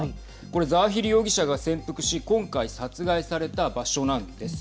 これ、ザワヒリ容疑者が潜伏し今回、殺害された場所なんです。